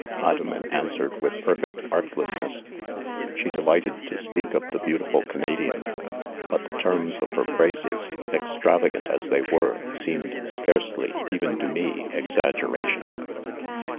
Idomen answered with perfect artlessness $ she delighted to speak of the beau tiful Canadian, hut the terms of her praises, extravagant as they were 3 seemed scarcely, even to me, exaggeration.